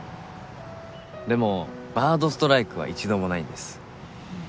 でもバードストライクは一度もないんです。